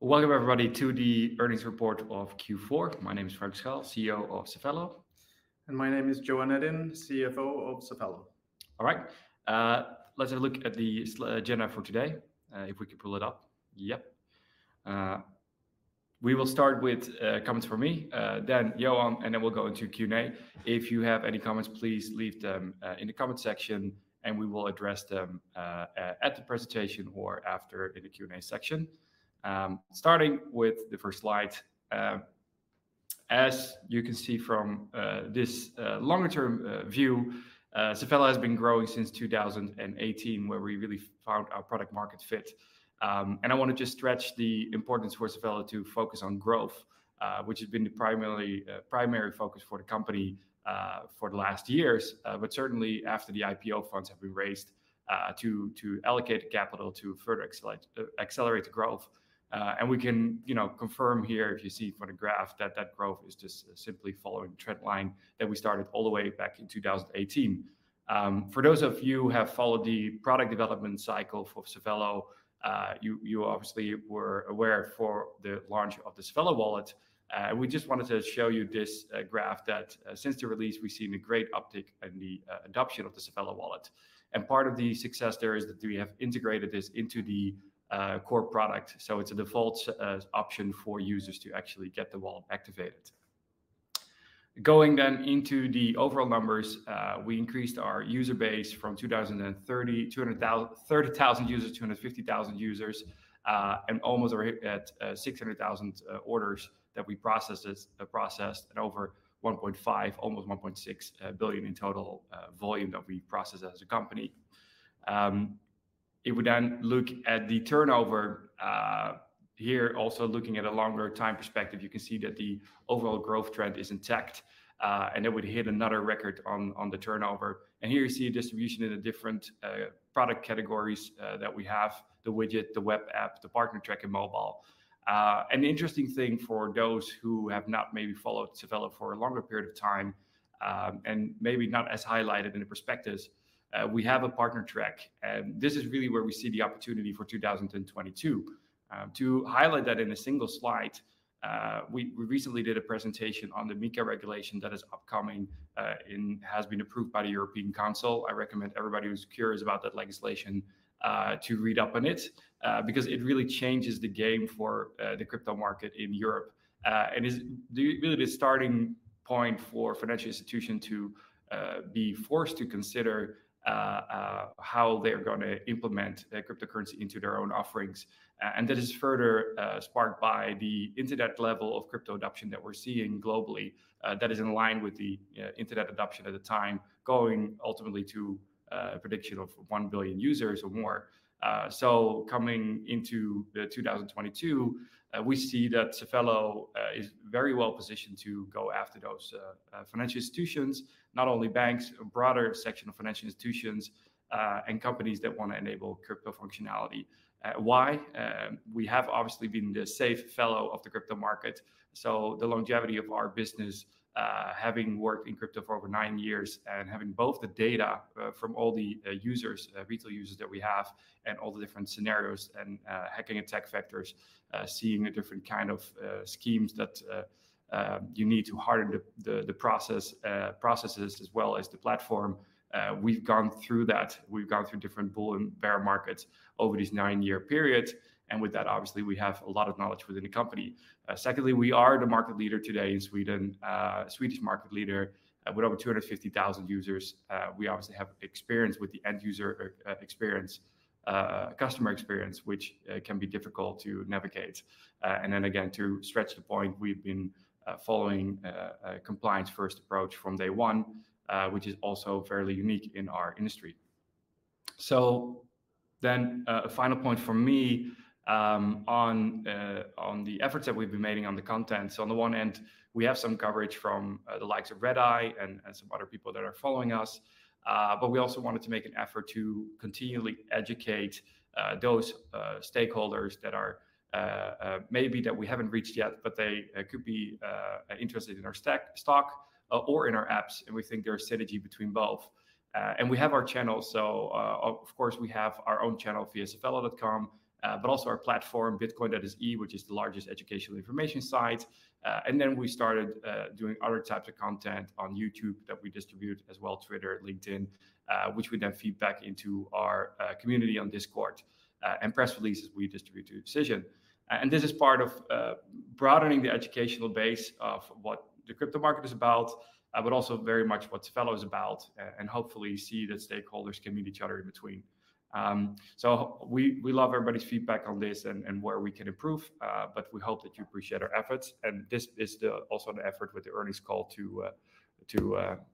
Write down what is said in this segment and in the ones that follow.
Welcome everybody to the earnings report of Q4. My name is Frank Schuil, CEO of Safello. My name is Johan Edin, CFO of Safello. All right, let's have a look at the agenda for today, if we could pull it up. Yep. We will start with comments from me, then Johan, and then we'll go into Q&A. If you have any comments, please leave them in the comment section, and we will address them at the presentation or after in the Q&A section. Starting with the first slide, as you can see from this longer term view, Safello has been growing since 2018, where we really found our product market fit. I want to just stress the importance for Safello to focus on growth, which has been the primary focus for the company for the last years. Certainly after the IPO funds have been raised to allocate capital to further accelerate the growth. We can, you know, confirm here if you see from the graph that growth is just simply following the trend line that we started all the way back in 2018. For those of you who have followed the product development cycle for Safello, you obviously were aware for the launch of the Safello Wallet. We just wanted to show you this graph that since the release, we've seen a great uptick in the adoption of the Safello Wallet. Part of the success there is that we have integrated this into the core product. It's a default option for users to actually get the wallet activated. Going into the overall numbers, we increased our user base from 30,000 users to 150,000 users, and we're almost at 600,000 orders that we processed at over 1.5 billion, almost 1.6 billion in total volume that we process as a company. If we then look at the turnover, here also looking at a longer time perspective, you can see that the overall growth trend is intact, and it would hit another record on the turnover. Here you see a distribution in the different product categories that we have, the Widget, the Web App, the Partner Track, and Mobile. An interesting thing for those who have not maybe followed Safello for a longer period of time, and maybe not as highlighted in the prospectus, we have a partner track, and this is really where we see the opportunity for 2022. To highlight that in a single slide, we recently did a presentation on the MiCA regulation that is upcoming, and has been approved by the European Council. I recommend everybody who's curious about that legislation, to read up on it, because it really changes the game for the crypto market in Europe. Is really the starting point for financial institution to be forced to consider how they're gonna implement their cryptocurrency into their own offerings. That is further sparked by the internet level of crypto adoption that we're seeing globally, that is in line with the internet adoption at the time, going ultimately to a prediction of 1 billion users or more. Coming into 2022, we see that Safello is very well positioned to go after those financial institutions, not only banks, a broader section of financial institutions, and companies that want to enable crypto functionality. Why? We have obviously been the Safello of the crypto market, so the longevity of our business, having worked in crypto for over nine years and having both the data from all the users, retail users that we have and all the different scenarios and hacking attack vectors, seeing the different kind of schemes that you need to harden the processes as well as the platform. We've gone through that. We've gone through different bull and bear markets over this nine-year period, and with that, obviously, we have a lot of knowledge within the company. Secondly, we are the market leader today in Sweden, Swedish market leader, with over 250,000 users. We obviously have experience with the end user experience, customer experience, which can be difficult to navigate. Then again, to stretch the point, we've been following a compliance first approach from day one, which is also fairly unique in our industry. A final point from me on the efforts that we've been making on the content. On the one end, we have some coverage from the likes of Redeye and some other people that are following us. But we also wanted to make an effort to continually educate those stakeholders that maybe we haven't reached yet, but they could be interested in our stock or in our apps, and we think there's synergy between both. We have our channels. Of course, we have our own channel via safello.com, but also our platform, bitcoin.se, which is the largest educational information site. Then we started doing other types of content on YouTube that we distribute, as well as Twitter, LinkedIn, which we then feed back into our community on Discord. Press releases we distribute to Cision. This is part of broadening the educational base of what the crypto market is about, but also very much what Safello is about and hopefully see that stakeholders can meet each other in between. We love everybody's feedback on this and where we can improve, but we hope that you appreciate our efforts. This is also an effort with the earnings call to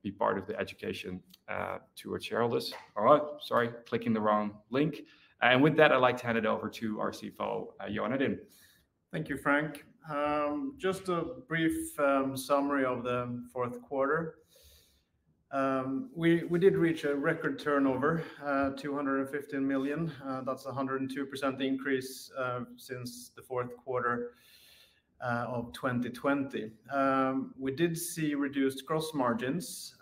be part of the education to our shareholders. All right. Sorry, clicking the wrong link. With that, I'd like to hand it over to our CFO, Johan Edin. Thank you, Frank. Just a brief summary of the fourth quarter. We did reach a record turnover of 215 million. That's a 102% increase since the fourth quarter of 2020. We did see reduced gross margins,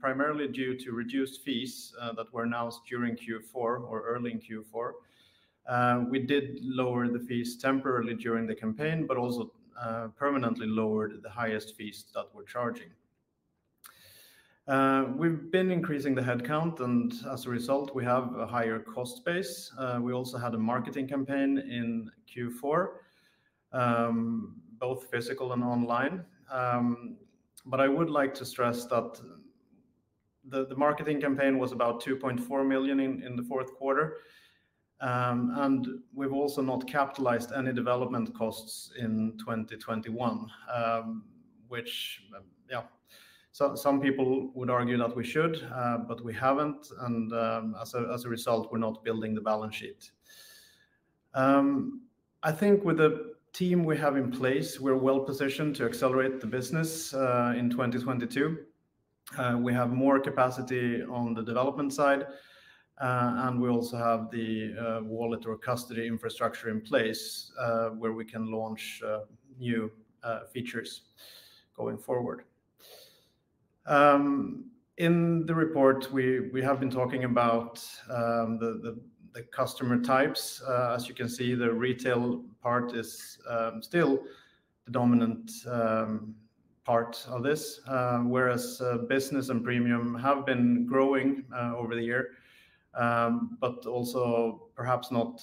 primarily due to reduced fees that were announced during Q4 or early in Q4. We did lower the fees temporarily during the campaign, but also permanently lowered the highest fees that we're charging. We've been increasing the headcount, and as a result, we have a higher cost base. We also had a marketing campaign in Q4, both physical and online. I would like to stress that the marketing campaign was about 2.4 million in the fourth quarter. We've also not capitalized any development costs in 2021, which, yeah, so some people would argue that we should, but we haven't. As a result, we're not building the balance sheet. I think with the team we have in place, we're well positioned to accelerate the business in 2022. We have more capacity on the development side. And we also have the wallet or custody infrastructure in place where we can launch new features going forward. In the report, we have been talking about the customer types. As you can see, the Retail part is still the dominant part of this, whereas Business and Premium have been growing over the year. Also perhaps not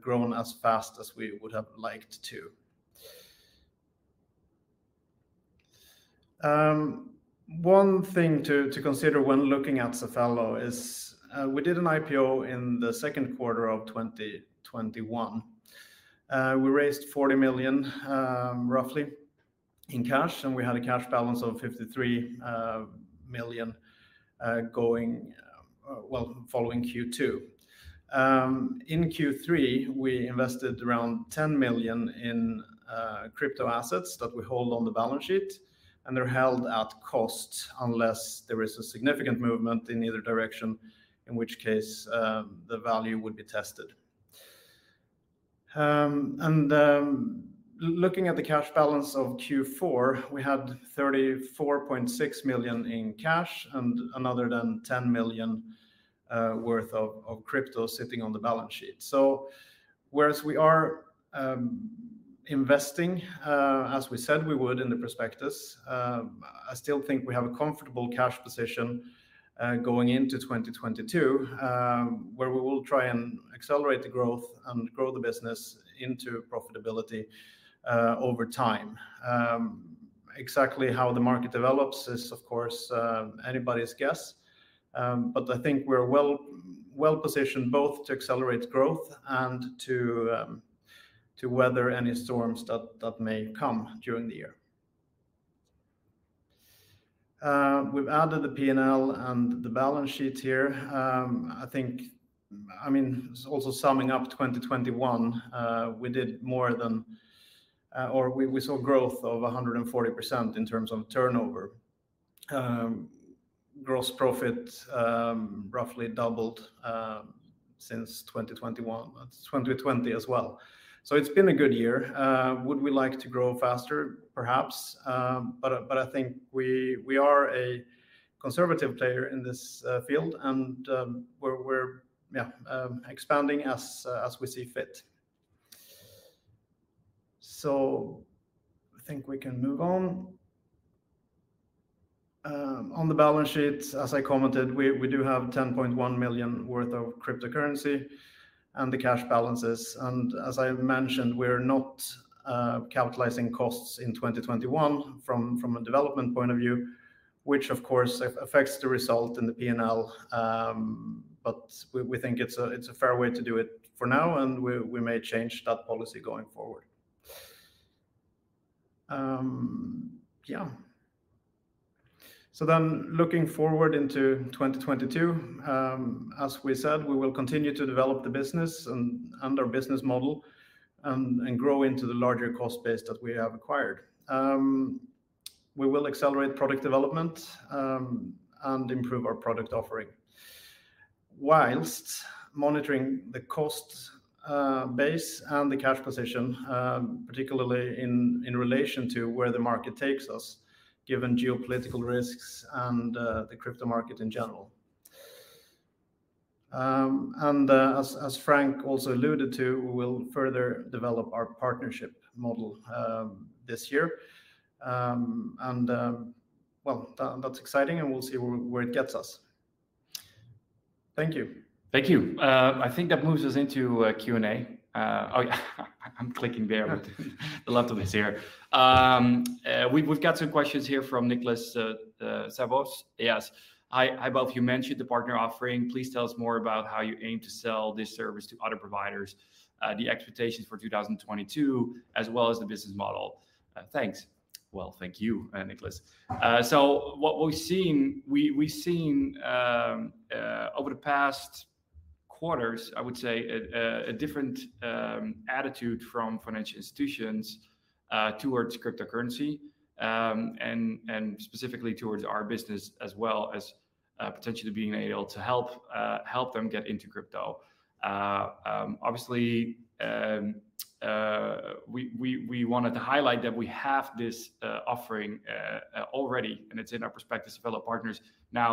grown as fast as we would have liked to. One thing to consider when looking at Safello is we did an IPO in the second quarter of 2021. We raised roughly 40 million in cash, and we had a cash balance of 53 million following Q2. In Q3, we invested around 10 million in crypto assets that we hold on the balance sheet, and they're held at cost unless there is a significant movement in either direction, in which case the value would be tested. Looking at the cash balance of Q4, we had 34.6 million in cash and another 10 million worth of crypto sitting on the balance sheet. Whereas we are investing, as we said we would in the prospectus, I still think we have a comfortable cash position going into 2022, where we will try and accelerate the growth and grow the business into profitability over time. Exactly how the market develops is, of course, anybody's guess. But I think we're well-positioned both to accelerate growth and to weather any storms that may come during the year. We've added the P&L and the balance sheet here. I mean, also summing up 2021, we saw growth of 140% in terms of turnover. Gross profit roughly doubled since 2020 as well. It's been a good year. Would we like to grow faster? Perhaps. I think we are a conservative player in this field, and we're expanding as we see fit. I think we can move on. On the balance sheet, as I commented, we do have 10.1 million worth of cryptocurrency and the cash balances. As I mentioned, we're not capitalizing costs in 2021 from a development point of view, which of course affects the result in the P&L. We think it's a fair way to do it for now, and we may change that policy going forward. Looking forward into 2022, as we said, we will continue to develop the business and our business model and grow into the larger cost base that we have acquired. We will accelerate product development and improve our product offering while monitoring the cost base and the cash position, particularly in relation to where the market takes us, given geopolitical risks and the crypto market in general. As Frank also alluded to, we will further develop our partnership model this year. Well, that's exciting, and we'll see where it gets us. Thank you. Thank you. I think that moves us into Q&A. Oh, yeah, I'm clicking there, but the laptop is here. We've got some questions here from Nicholas Savos. He asks, "Hi. Hi, both. You mentioned the partner offering. Please tell us more about how you aim to sell this service to other providers, the expectations for 2022, as well as the business model. Thanks." Well, thank you, Nicholas. So what we've seen over the past quarters, I would say a different attitude from financial institutions towards cryptocurrency, and specifically towards our business as well as potentially being able to help them get into crypto. Obviously, we wanted to highlight that we have this offering already and it's in our prospectus for Safello Partners. Now,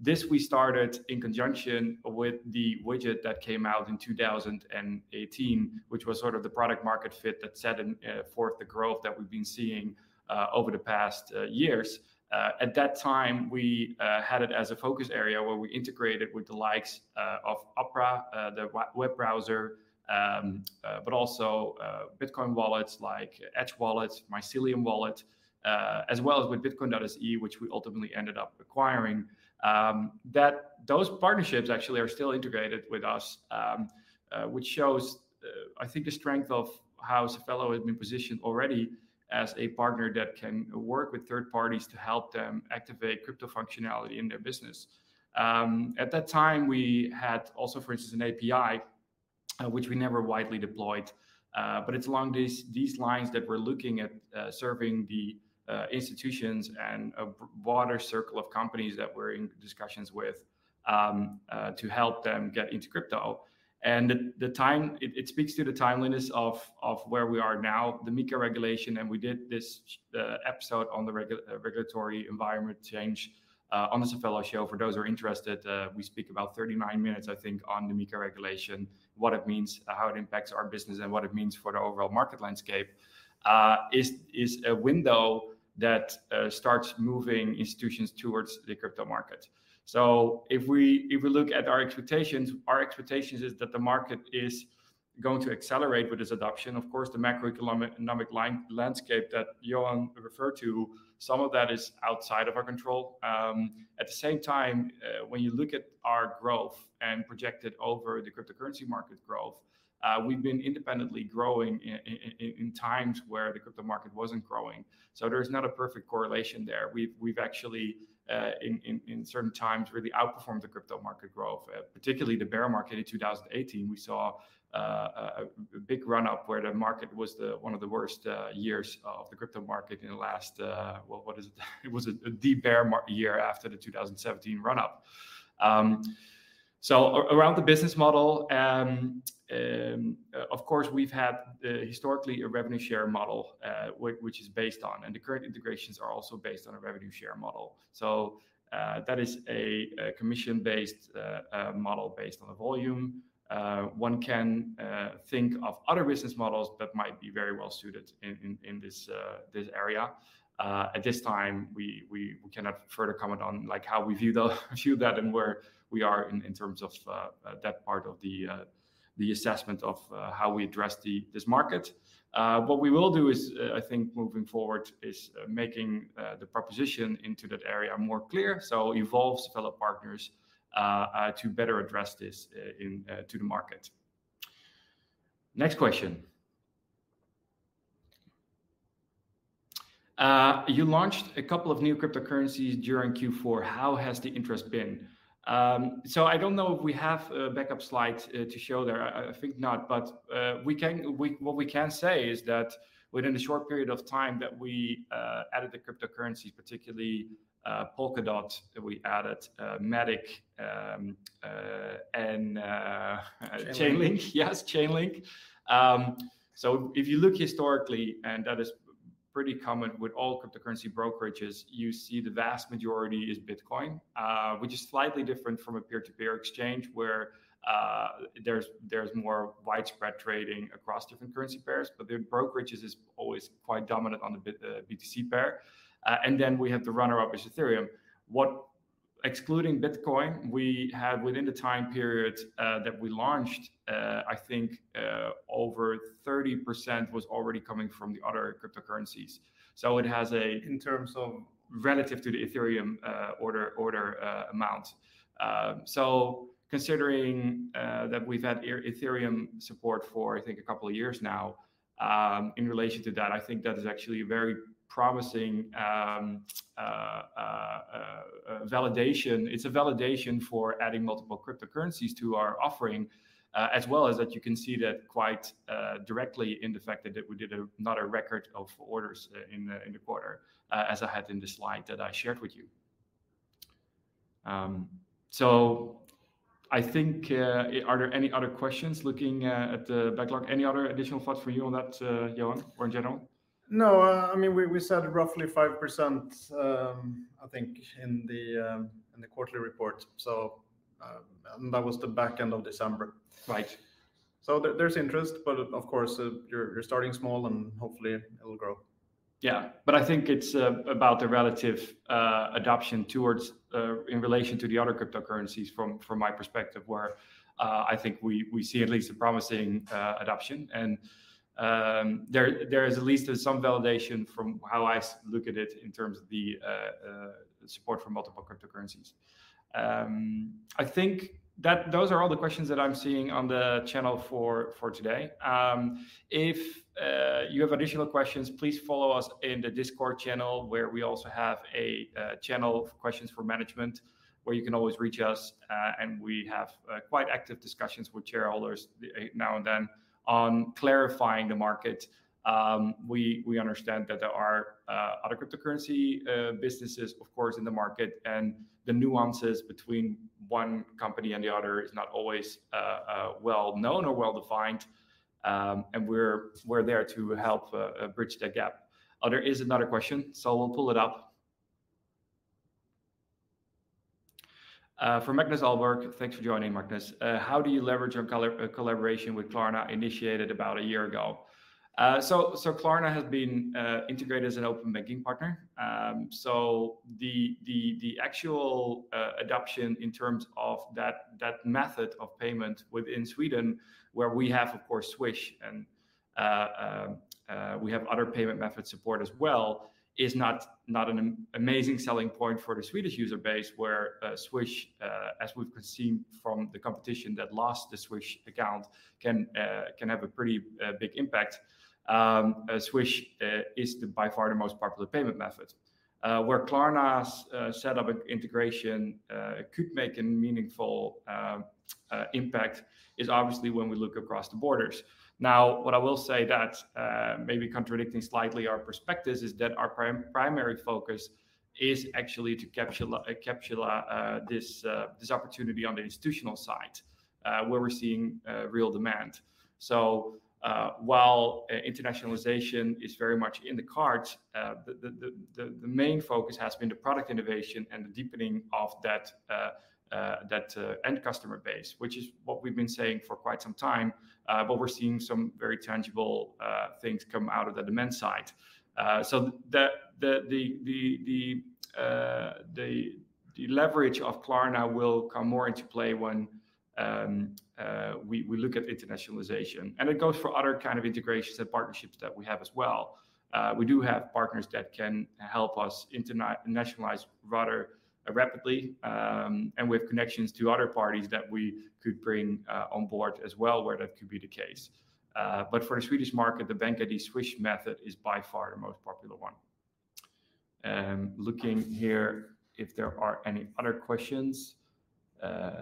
this we started in conjunction with the widget that came out in 2018, which was sort of the product market fit that set forth the growth that we've been seeing over the past years. At that time we had it as a focus area where we integrated with the likes of Opera, the web browser, but also Bitcoin wallets like Edge Wallet, Mycelium Wallet, as well as with bitcoin.se, which we ultimately ended up acquiring. Those partnerships actually are still integrated with us, which shows, I think, the strength of how Safello has been positioned already as a partner that can work with third parties to help them activate crypto functionality in their business. At that time we had also, for instance, an API, which we never widely deployed, but it's along these lines that we're looking at serving the institutions and a broader circle of companies that we're in discussions with to help them get into crypto. The time it speaks to the timeliness of where we are now, the MiCA regulation, and we did this episode on the regulatory environment change on the Safello Show for those who are interested. We speak about 39 minutes, I think, on the MiCA regulation, what it means, how it impacts our business, and what it means for the overall market landscape, is a window that starts moving institutions towards the crypto market. If we look at our expectations, our expectations is that the market is going to accelerate with this adoption. Of course, the macroeconomic landscape that Johan referred to, some of that is outside of our control. At the same time, when you look at our growth and project it over the cryptocurrency market growth, we've been independently growing in times where the crypto market wasn't growing, so there is not a perfect correlation there. We've actually in certain times really outperformed the crypto market growth, particularly the bear market in 2018, we saw a big run up where the market was one of the worst years of the crypto market in the last, well, what is it? It was a deep bear year after the 2017 run up. So around the business model, of course, we've had historically a revenue share model, which is based on, and the current integrations are also based on a revenue share model. So, that is a commission-based model based on the volume. One can think of other business models that might be very well suited in this area. At this time, we cannot further comment on like how we view that and where we are in terms of that part of the assessment of how we address this market. What we will do is, I think moving forward is making the proposition into that area more clear, so involves Safello Partners to better address this to the market. Next question. You launched a couple of new cryptocurrencies during Q4. How has the interest been? I don't know if we have a backup slide to show there. I think not, but what we can say is that within a short period of time that we added the cryptocurrencies, particularly Polkadot that we added, MATIC, and Chainlink Chainlink. Yes, Chainlink. If you look historically, that is pretty common with all cryptocurrency brokerages. You see the vast majority is Bitcoin, which is slightly different from a peer-to-peer exchange where there's more widespread trading across different currency pairs, but the brokerages is always quite dominant on the BTC pair. Then we have the runner-up is Ethereum. Excluding Bitcoin, we had within the time period that we launched, I think, over 30% was already coming from the other cryptocurrencies. It has a- In terms of. relative to the Ethereum order amount. Considering that we've had Ethereum support for I think a couple of years now, in relation to that, I think that is actually a very promising validation. It's a validation for adding multiple cryptocurrencies to our offering, as well as that you can see that quite directly in the fact that we did another record of orders in the quarter, as I had in the slide that I shared with you. I think, are there any other questions looking at the backlog? Any other additional thoughts for you on that, Johan or in general? No. I mean, we said roughly 5%, I think in the quarterly report, so and that was the back end of December. Right. There, there's interest, but of course, you're starting small and hopefully it'll grow. Yeah. I think it's about the relative adoption towards in relation to the other cryptocurrencies from my perspective, where I think we see at least a promising adoption and there is at least some validation from how I look at it in terms of the support for multiple cryptocurrencies. I think that those are all the questions that I'm seeing on the channel for today. If you have additional questions, please follow us in the Discord channel where we also have a channel of questions for management, where you can always reach us and we have quite active discussions with shareholders now and then on clarifying the market. We understand that there are other cryptocurrency businesses of course in the market and the nuances between one company and the other is not always well known or well defined. We're there to help bridge that gap. There is another question, so we'll pull it up. From Magnus Ahlberg. Thanks for joining, Magnus. How do you leverage your collaboration with Klarna initiated about a year ago? Klarna has been integrated as an open banking partner. The actual adoption in terms of that method of payment within Sweden, where we have of course Swish and we have other payment methods support as well, is not an amazing selling point for the Swedish user base where Swish, as we've seen from the competition that lost the Swish account, can have a pretty big impact. Swish is by far the most popular payment method. Where Klarna's set up integration could make a meaningful impact is obviously when we look across the borders. Now, what I will say that may be contradicting slightly our perspectives is that our primary focus is actually to capture this opportunity on the institutional side, where we're seeing real demand. While internationalization is very much in the cards, the main focus has been the product innovation and the deepening of that end customer base, which is what we've been saying for quite some time. We're seeing some very tangible things come out of the demand side. The leverage of Klarna will come more into play when we look at internationalization, and it goes for other kind of integrations and partnerships that we have as well. We do have partners that can help us internationalize rather rapidly, and with connections to other parties that we could bring on board as well, where that could be the case. For the Swedish market, the BankID Swish method is by far the most popular one. Looking here if there are any other questions. You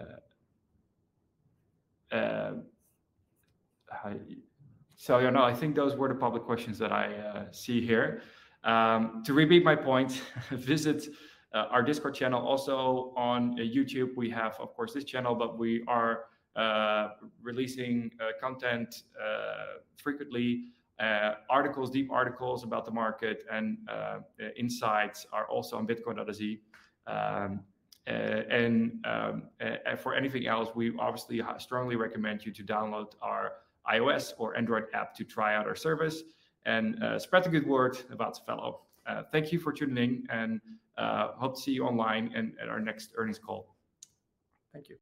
know, I think those were the public questions that I see here. To repeat my point, visit our Discord channel. Also on YouTube we have, of course, this channel, but we are releasing content frequently. Articles, deep articles about the market and insights are also on bitcoin.se. For anything else, we obviously strongly recommend you to download our iOS or Android app to try out our service and spread the good word about Safello. Thank you for tuning in, and I hope to see you online and at our next earnings call. Thank you.